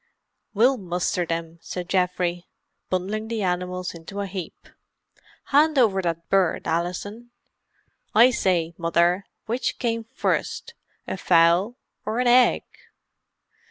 "We'll muster them," said Geoffrey, bundling the animals into a heap. "Hand over that bird, Alison. I say, Mother, which came first, a fowl or an egg?"